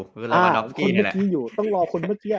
เพราะว่าคนเมื่อกี้อยู่ต้องรอคนเมื่อกี้